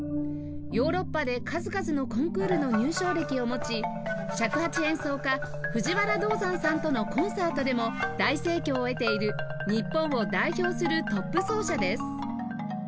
ヨーロッパで数々のコンクールの入賞歴を持ち尺八演奏家藤原道山さんとのコンサートでも大盛況を得ている日本を代表するトップ奏者です